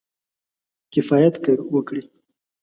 کفایت وکړي.